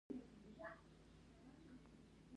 دا اندازه د کار د ټوټې سم عدد ښیي.